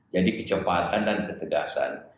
jadi kecepatan dan ketegasan